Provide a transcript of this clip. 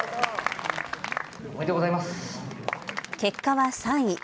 結果は３位。